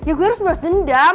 ya gue harus balas dendam